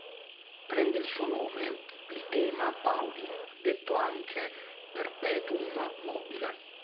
Prende il suo nome il tema Pauly, detto anche "Perpetuum mobile".